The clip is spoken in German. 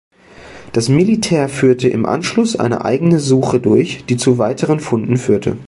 Das Militär führte im Anschluss eine eigene Suche durch, die zu weiteren Funden führte.